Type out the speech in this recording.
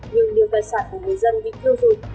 nhưng nhiều tài sản của người dân bị thiêu dụi